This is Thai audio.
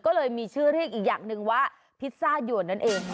ก็เลยมีชื่อเรียกอีกอย่างหนึ่งว่าพิซซ่าหยวนนั่นเอง